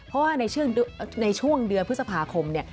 เพราะว่าในช่วงเดือนพฤษภาคมเนี่ย